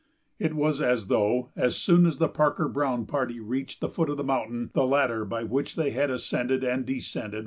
It was as though, as soon as the Parker Browne party reached the foot of the mountain, the ladder by which they had ascended and descended was broken up.